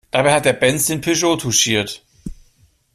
Dabei hat der Benz den Peugeot touchiert.